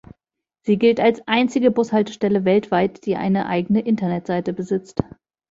Sie gilt als einzige Bushaltestelle weltweit, die eine eigene Internetseite besitzt.